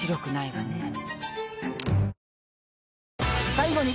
最後に